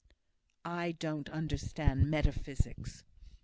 "I don't understand metaphysics."